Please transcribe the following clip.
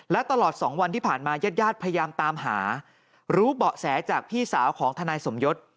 และตลอด๒วันที่ผ่านมาญาติญาติพยายามตามหารู้เบาะแสจากพี่สาวของทนายสมยศ